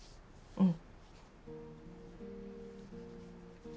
うん。